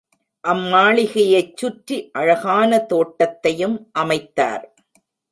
அம்மாளிகையைச் சுற்றி அழகான தோட்டத்தையும் அமைத்தார்.